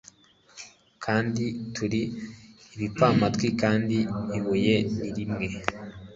Kandi turi ibipfamatwi kandi ibuye ni rimwe